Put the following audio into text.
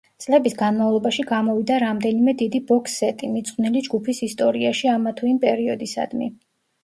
წლების განმავლობაში გამოვიდა რამდენიმე დიდი ბოქს-სეტი, მიძღვნილი ჯგუფის ისტორიაში ამა თუ იმ პერიოდისადმი.